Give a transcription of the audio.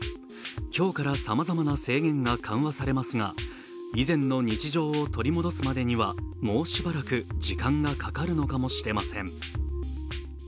今日からさまざまな制限が緩和されますが、以前の日常を取り戻すまでにはもうしばらく時間がかかるのかもしれません。